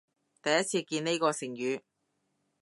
第一次見呢個成語